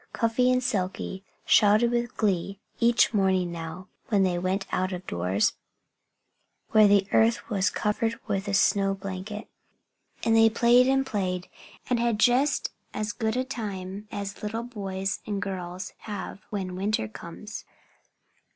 Cuffy and Silkie shouted with glee each morning now, when they went out of doors, where the earth was covered with a snow blanket. And they played and played and had just as good a time as little boys and girls have when winter comes.